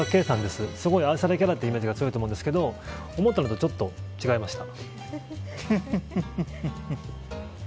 すごい愛されキャラのイメージが強いと思うんですが思ったのとちょっと違いました。